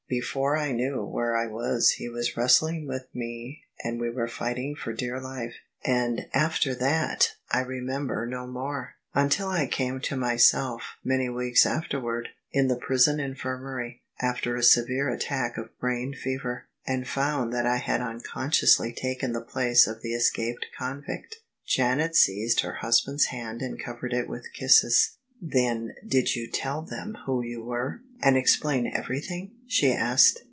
Before I knew where I was he was wrestling with me and we were fighting for dear life. And after that I remember no more, until I came to myself — ^many weeks afterward — in the prison infirmary, after a severe attack of brain fever; and found that I had unconsciously taken the place of the escaped convict." Janet seized her husband's hand and covered it with kisses. " Then did you tell them who you were, and explain everything?" she asked.